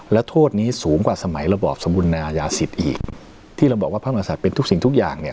และโทษนี้สูงกว่าสมัยระบอบสมบูรณายาศิษย์อีกที่เราบอกว่าพระมหาศัตริย์เป็นทุกสิ่งทุกอย่างเนี่ย